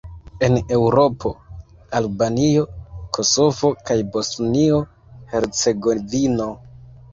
En Eŭropo: Albanio, Kosovo kaj Bosnio-Hercegovino.